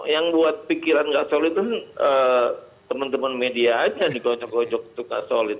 yang buat pikiran nggak solid tuh temen temen media aja dikocok kocok